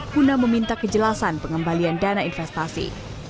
guna meminta kejelasan pengembalian dana investasi